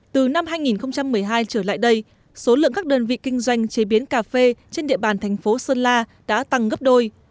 từ năm hai nghìn một mươi hai trở lại đây số lượng các đơn vị kinh doanh chế biến cà phê trên địa bàn thành phố sơn la đã tăng gấp đôi